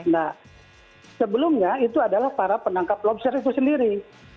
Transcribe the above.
nah sebelumnya itu adalah para penangkap lobster itu sendiri